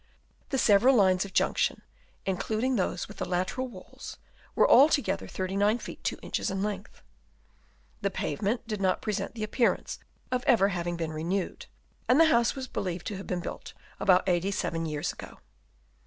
The several lines of junction, including those with the lateral walls, were altogether 39 feet 2 inches in length. The pavement did not present the appearance of ever having been renewed, and the house was believed to have been built about eighty seven years ago.